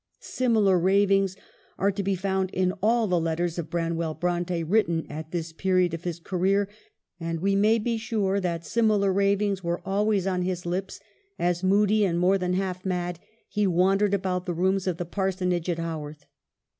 Similar ravings are to be found in all the letters of Branwell Bronte written at this period of his career ; and we may be sure that similar ravings were always on his lips as, moody and more than half mad, he wan dered about the rooms of the parsonage at Ha worth.